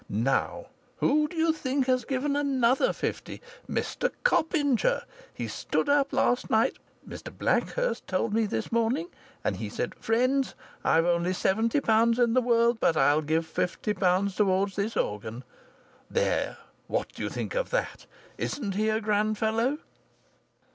Now, who do you think has given another fifty? Mr Copinger! He stood up last night, Mr Blackhurst told me this morning, and he said, 'Friends, I've only seventy pounds in the world, but I'll give fifty pounds towards this organ.' There! What do you think of that? Isn't he a grand fellow?"